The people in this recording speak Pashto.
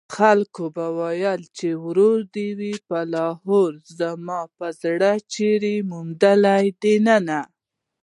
خلک به وايي چې وړه ده وړې زما په زړه چړې منډلې دينه